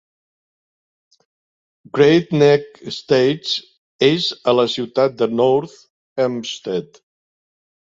Great Neck Estates és a la ciutat de North Hempstead.